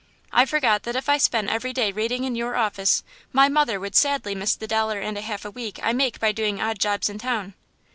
I forgot that if I spent every day reading in your office, my mother would sadly miss the dollar and a half a week I make by doing odd jobs in town."